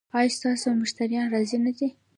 ایا ستاسو مشتریان راضي نه دي؟